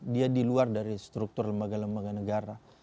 dia di luar dari struktur lembaga lembaga negara